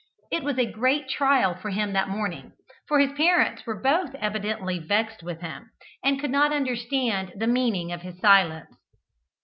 It was a great trial to him that morning, for his parents were both evidently vexed with him, and could not understand the meaning of his silence.